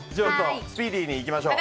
スピーディーにいきましょう。